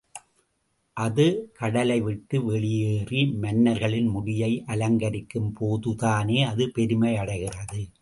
அது கடலை விட்டு வெளியேறி மன்னர்களின் முடியை அலங்கரிக்கும் போதுதானே அது பெருமையடைகிறது.